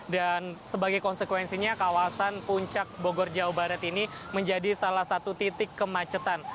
dan sebagai konsekuensinya kawasan puncak bogor jawa barat ini menjadi salah satu titik kemacetan